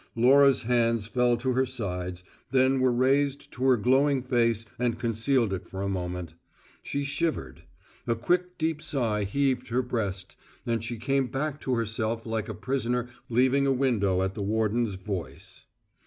Laura's hands fell to her sides, then were raised to her glowing face and concealed it for a moment. She shivered; a quick, deep sigh heaved her breast; and she came back to herself like a prisoner leaving a window at the warden's voice.